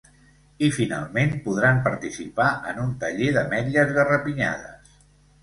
I finalment podran participar en un taller d’ametlles garapinyades.